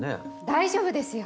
大丈夫ですよ。